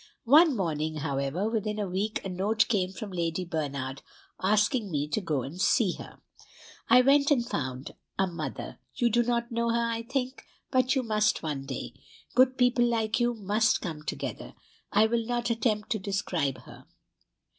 One morning, however, within a week, a note came from Lady Bernard, asking me to go and see her. "I went, and found a mother. You do not know her, I think? But you must one day. Good people like you must come together. I will not attempt to describe her.